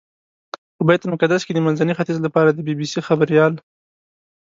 په بیت المقدس کې د منځني ختیځ لپاره د بي بي سي خبریال.